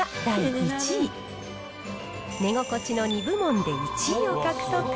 寝心地の２部門で１位を獲得。